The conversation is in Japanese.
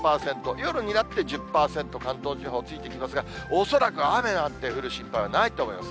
夜になって１０％、関東地方、ついてきますが、恐らく雨なんて降る心配はないと思います。